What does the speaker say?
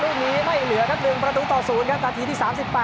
ลูกนี้ไม่เหลือครับ๑ประตูต่อ๐ครับนาทีที่๓๘